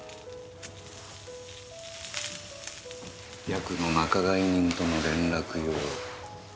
ヤクの仲買人との連絡用。